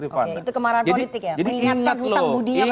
itu kemarahan politik ya